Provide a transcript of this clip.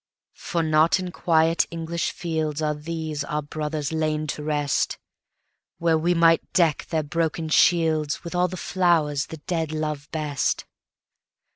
For not in quiet English fieldsAre these, our brothers, lain to rest, Where we might deck their broken shieldsWith all the flowers the dead love best.